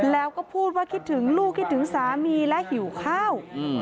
แล้วก็พูดว่าคิดถึงลูกคิดถึงสามีและหิวข้าว